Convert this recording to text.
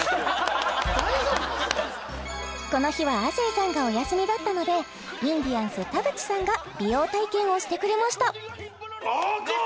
この日は亜生さんがお休みだったのでインディアンス田渕さんが美容体験をしてくれました！